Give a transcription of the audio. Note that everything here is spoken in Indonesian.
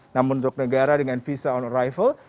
namun untuk negara dengan visa on arrival